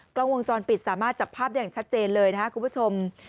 กล้องวงจรปิดสามารถจับภาพได้อย่างชัดเจนเลยนะครับคุณผู้ชม